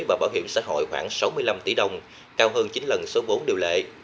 và bảo hiểm xã hội khoảng sáu mươi năm tỷ đồng cao hơn chín lần số bốn điều lệ